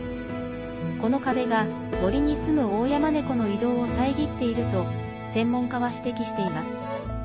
この壁が森に住むオオヤマネコの移動を遮っていると専門家は指摘しています。